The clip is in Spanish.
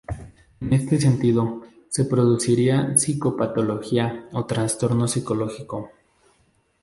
En este sentido, se produciría psicopatología o trastorno psicológico.